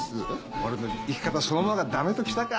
俺の生き方そのものが駄目ときたか。